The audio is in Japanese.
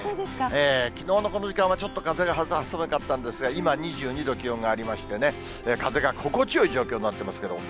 きのうのこの時間は、ちょっと風が肌寒かったんですが、今、２２度、気温がありましてね、風が心地よい状況になってますけれども。